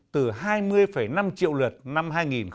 từ hai mươi năm triệu lượt năm hai nghìn tám